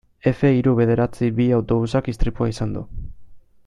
Efe hiru bederatzi bi autobusak istripua izan du.